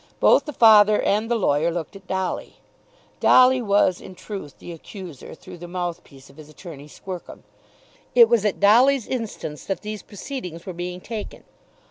Both the father and the lawyer looked at Dolly. Dolly was in truth the accuser through the mouthpiece of his attorney Squercum. It was at Dolly's instance that these proceedings were being taken.